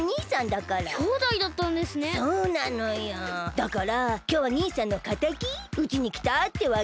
だからきょうは兄さんのかたきうちにきたってわけ。